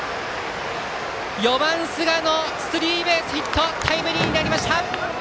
４番、寿賀のスリーベースタイムリーになりました。